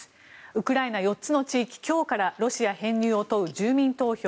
ウクライナ４つの地域今日からロシア編入を問う住民投票。